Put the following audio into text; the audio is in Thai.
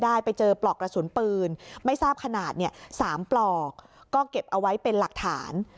ไปเจอปลอกกระสุนปืนไม่ทราบขนาด๓ปลอกก็เก็บเอาไว้เป็นหลักฐาน